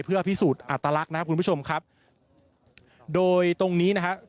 เพื่อพิสูจน์อัตลักษณ์นะครับคุณผู้ชมครับโดยตรงนี้นะฮะ